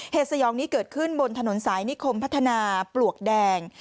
สยองนี้เกิดขึ้นบนถนนสายนิคมพัฒนาปลวกแดง